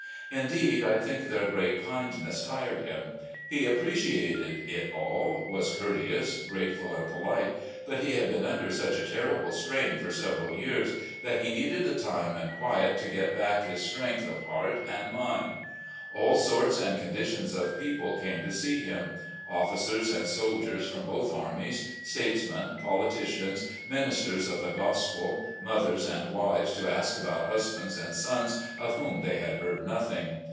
Indeed, I think their great kindness tired him. He appreciated it all, was courteous, grateful, and polite, but he had been under such a terrible strain for several years that he needed the time and quiet to get back his strength of heart and mind. All sorts and conditions of people came to see him : officers and soldiers from both armies, statesmen, politicians, ministers of the Gospel, mothers and wives to ask about husbands and sons of whom they had heard nothing.